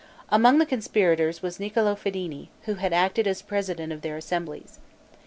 Among the conspirators was Niccolo Fedini, who had acted as president of their assemblies.